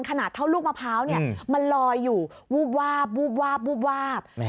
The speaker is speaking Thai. ขนาดเท่าลูกมะพร้าวมันลอยอยู่วูบวาบวูบวาบวูบวาบ